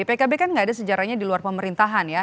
pkb kan gak ada sejarahnya di luar pemerintahan ya